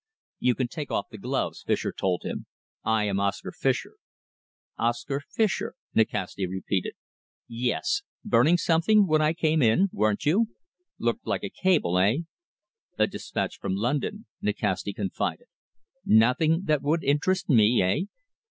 "You can take off the gloves," Fischer told him. "I am Oscar Fischer." "Oscar Fischer," Nikasti repeated. "Yes! ... Burning something when I came in weren't you? Looked like a cable, eh?" "A dispatch from London," Nikasti confided. "Nothing that would interest me, eh?"